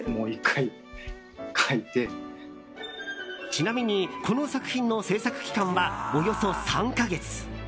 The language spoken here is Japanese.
ちなみにこの作品の制作期間はおよそ３か月。